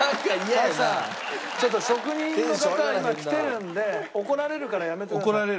ちょっと職人の方今来てるんで怒られるからやめてください。